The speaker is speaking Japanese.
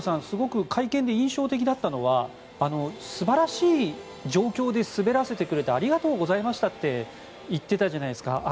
すごく会見で印象的だったのは素晴らしい状況で滑らせてくれてありがとうございましたって言っていたじゃないですか